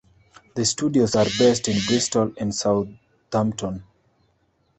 The studios are based in Bristol and Southampton.